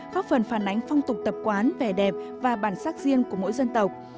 góp phần phản ánh phong tục tập quán vẻ đẹp và bản sắc riêng của mỗi dân tộc